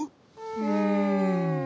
うん。